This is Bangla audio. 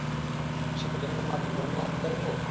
সেজন্য তোমাকে ধন্যবাদ দেব?